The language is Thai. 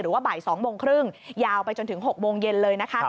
ว่าบ่าย๒โมงครึ่งยาวไปจนถึง๖โมงเย็นเลยนะคะ